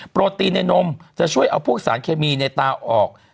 โปรตีนในนมจะช่วยเอาพวกสารเคมีในตาออก